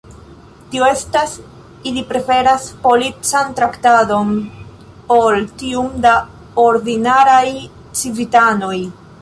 Tio estas, ili preferas polican traktadon ol tiun de ordinaraj civitanoj.